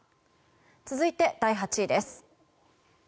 続いて、第８位です。